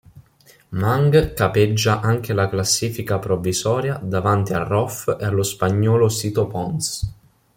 Mang capeggia anche la classifica provvisoria davanti a Roth e allo spagnolo Sito Pons.